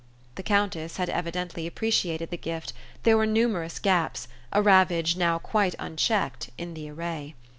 The Countess had evidently appreciated the gift; there were numerous gaps, a ravage now quite unchecked, in the array.